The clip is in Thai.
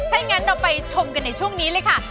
ถ้างั้นเราไปชมกันในช่วงนี้เลยค่ะ